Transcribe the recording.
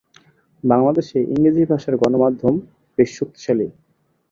বাংলাদেশে ইংরেজি ভাষার গণমাধ্যম বেশ শক্তিশালী।